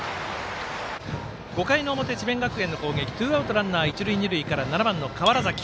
５回の表、智弁学園の攻撃ツーアウト、ランナー一塁二塁から川原崎。